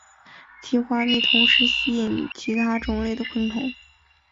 其花蜜同时吸引其他种类的昆虫。